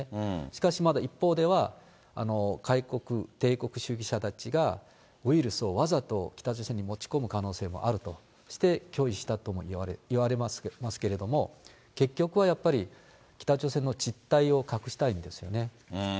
しかし、まだ一方では、外国、帝国主義者たちがウイルスをわざと、北朝鮮に持ち込む可能性があるとして拒否したともいわれますけれども、結局はやっぱり、北朝鮮の実態を隠したいんですよね。